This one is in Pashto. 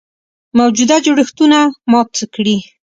موجوده جوړښتونه مات کړي.